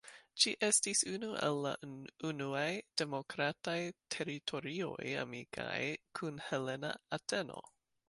Ĝi estis unu el la unuaj demokrataj teritorioj amikaj kun helena Ateno.